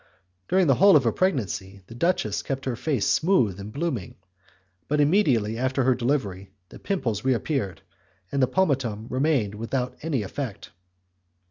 During the whole of her pregnancy the duchess kept her face smooth and blooming, but immediately after her delivery the pimples reappeared, and the pomatum remained without any effect."